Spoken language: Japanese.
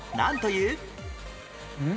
うん？